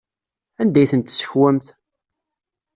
Anda ay ten-tessekwemt?